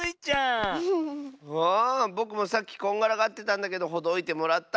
ぼくもさっきこんがらがってたんだけどほどいてもらった。